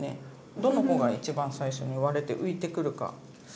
どの子が一番最初に割れて浮いてくるか。